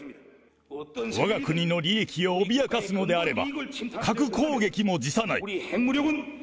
わが国の利益を脅かすのであれば、核攻撃も辞さない。